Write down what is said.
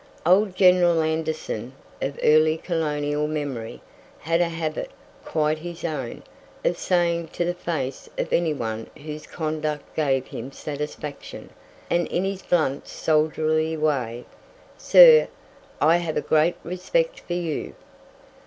Old General Anderson, of early colonial memory, had a habit, quite his own, of saying to the face of anyone whose conduct gave him satisfaction, and in his blunt soldierly way, "Sir, I have a great respect for you."